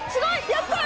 やったー！